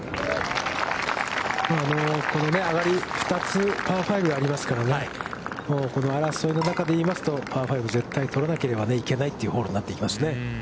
この上がり２つパー５がありますからね、この争いの中で言いますと、パー５絶対取らなければいけないというホールになってきますね。